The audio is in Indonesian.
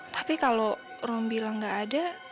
tapi kalau rom bilang gak ada